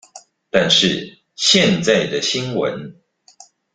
但是現在的新聞